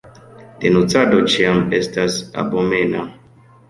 Denuncado ĉiam estas abomena.